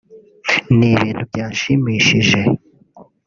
Ni bintu byanshimishije